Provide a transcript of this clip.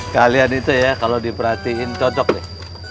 kalian itu ya kalau diperhatiin cocok deh